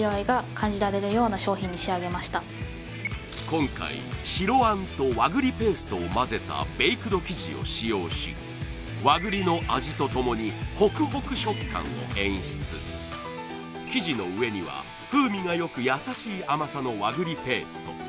今回白餡と和栗ペーストを混ぜたベイクド生地を使用し和栗の味とともにホクホク食感を演出生地の上には風味がよく優しい甘さの和栗ペースト